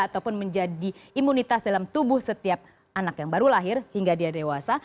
ataupun menjadi imunitas dalam tubuh setiap anak yang baru lahir hingga dia dewasa